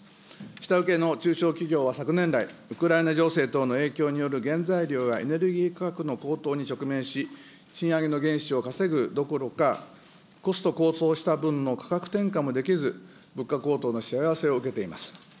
下請けの中小企業は昨年来、ウクライナ情勢等の影響による原材料やエネルギー価格の高騰に直面し、賃上げの原資を稼ぐどころか、コスト高騰した分の価格転嫁もできず、物価高騰のしわ寄せを受けています。